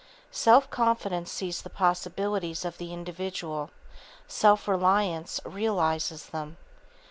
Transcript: Self confidence sees the possibilities of the individual; self reliance realizes them.